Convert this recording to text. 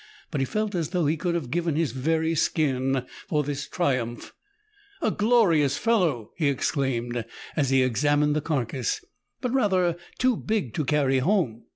But he felt as though he could have given his very skin for this triumph. * "A glorious fellow!" he exclaimed, as he examined the carcase ;" but rather too big to carry home."